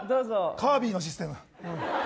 カービィのシステム！